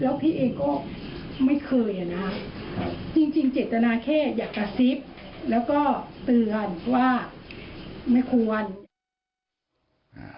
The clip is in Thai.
แล้วก็เตือนว่าไม่ควร